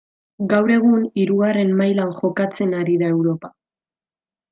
Gaur egun hirugarren mailan jokatzen ari da Europa.